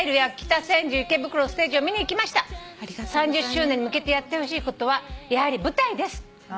「３０周年に向けてやってほしいことはやはり舞台です」